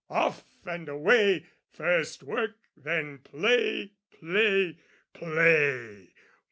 Off and away, first work then play, play, play!